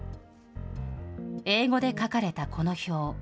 英語で書かれたこの表。